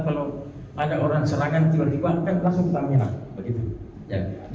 kalau ada orang serangan tiba tiba langsung kita menelak